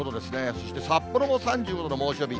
そして、札幌も３５度の猛暑日。